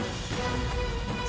bukan kawatmu semakin sempit